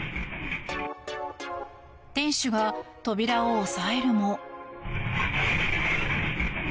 店主が扉を押さえるも。